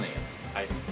はい。